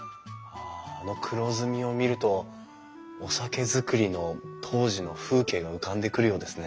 あの黒ずみを見るとお酒造りの当時の風景が浮かんでくるようですね。